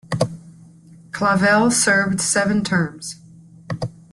Clavelle served seven terms.